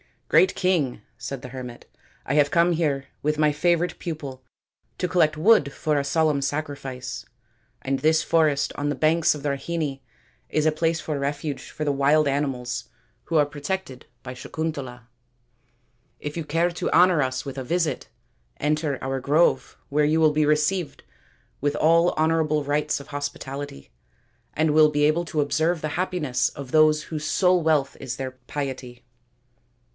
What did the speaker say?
" Great King," said the hermit, " I have come here with my favourite pupil to collect wood for a solemn sacrifice ; and this forest on the banks of the Rahini is a place of refuge for the wild animals who are protected by Sakuntala. If you care to honour us with a visit, enter our grove, where you will be received with all honourable rites of hospitality, and will be able to observe the happiness of those whose sole wealth is their piety."